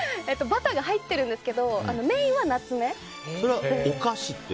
バターが入ってるんですけどそれはお菓子？